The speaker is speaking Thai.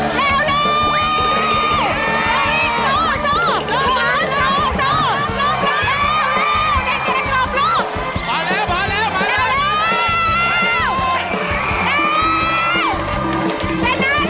ใจเย็นได้อยู่แล้ว